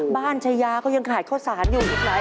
บ้านชายาเขายังขายข้อสารอยู่อีกไหน